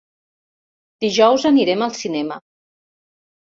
Dijous anirem al cinema.